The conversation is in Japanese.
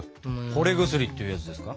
惚れ薬っていうやつですか？